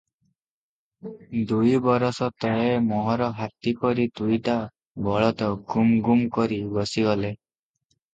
ଦୁଇବରଷ ତଳେ ମୋହର ହାତୀ ପରି ଦୁଇଟା ବଳଦ ଗୁମ୍ଗୁମ୍ କରି ବସିଗଲେ ।